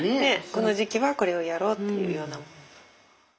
この時期はこれをやろうっていうような。